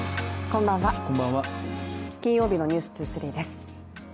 こんばんは、金曜日の「ｎｅｗｓ２３」です。